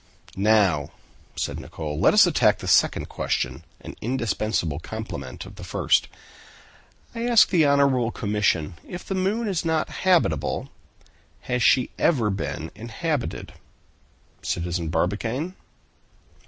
"Now," said Nicholl, "let us attack the second question, an indispensable complement of the first. I ask the honorable commission, if the moon is not habitable, has she ever been inhabited, Citizen Barbicane?"